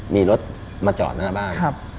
มีรถมาจอดหน้าบ้าน